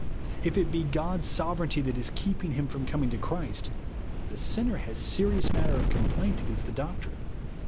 If it be God's sovereignty that is keeping him from coming to Clirist, the sinner has serious matter of complaint against the doctrine.